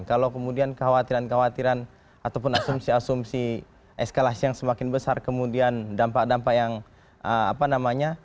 kalau kemudian kekhawatiran kekhawatiran ataupun asumsi asumsi eskalasi yang semakin besar kemudian dampak dampak yang apa namanya